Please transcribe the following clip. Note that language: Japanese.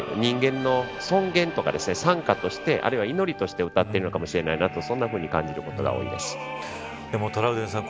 それを人間の尊厳と賛歌としてあるいは祈りとして歌っているかもしれないと感じることが多いです。